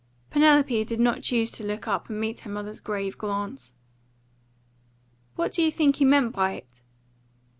Penelope did not choose to look up and meet her mother's grave glance. "What do you think he meant by it?"